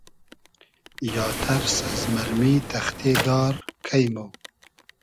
یا تئرس از مئرمی تئختې دار کݷ مۉ